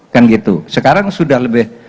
kan gitu sekarang sudah lebih